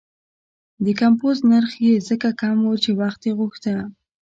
د کمپوز نرخ یې ځکه کم و چې وخت یې غوښته.